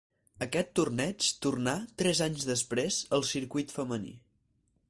Aquest torneig tornà tres anys després al circuit femení.